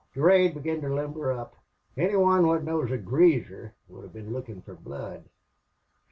"Durade began to limber up. Any man what knows a greaser would have been lookin' fer blood.